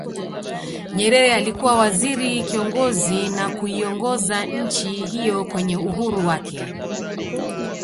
Nyerere alikuwa Waziri Kiongozi na kuiongoza nchi hiyo kwenye uhuru wake